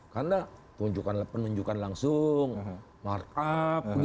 karena penunjukan langsung markup